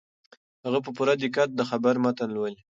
هغه په پوره دقت د خبر متن لولي.